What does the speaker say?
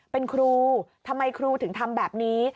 เป็นครูทำไมครูถึงทำแบบนี้